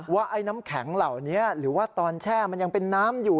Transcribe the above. ว่าไอ้น้ำแข็งเหล่านี้หรือว่าตอนแช่มันยังเป็นน้ำอยู่